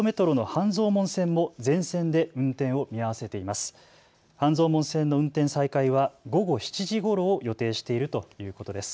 半蔵門線の運転再開は午後７時ごろを予定しているということです。